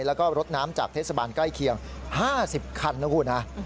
แล้วก็รถน้ำจากเทศบาลใกล้เคียง๕๐คันนะคุณฮะ